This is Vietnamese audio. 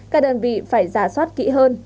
các đơn vị phải giả soát kỹ hơn